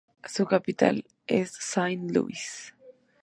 Su capital es Saint-Louis.